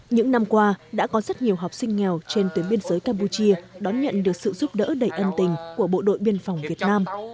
những năm qua đã có rất nhiều học sinh nghèo trên tuyến biên giới campuchia đón nhận được sự giúp đỡ đầy ân tình của bộ đội biên phòng việt nam